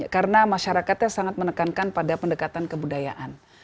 karena masyarakatnya sangat menekankan pada pendekatan kebudayaan